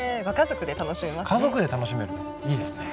ご家族で楽しめますね。